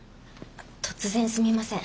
突然すみません。